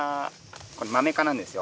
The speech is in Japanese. これマメ科なんですよ